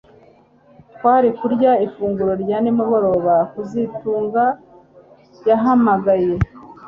Twari kurya ifunguro rya nimugoroba kazitunga yahamagaye